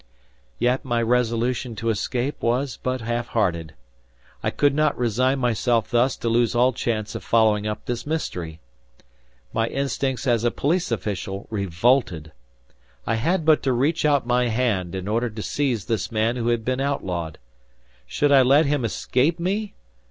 Yet my resolution to escape was but half hearted. I could not resign myself thus to lose all chance of following up this mystery. My instincts as a police official revolted. I had but to reach out my hand in order to seize this man who had been outlawed! Should I let him escape me!